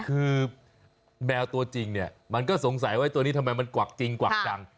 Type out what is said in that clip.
คือแมวตัวจริงเนี่ยมันก็สงสัยว่าตัวนี้ทำไมมันกวักจริงกวักจัง